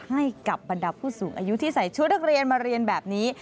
ให้กับบรรดาผู้สูงอายุที่ใส่ชุดนักเรียนมาเรียนแบบนี้